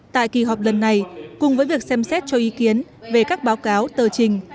tại kỳ họp lần này cùng với việc xem xét cho ý kiến về các báo cáo tờ trình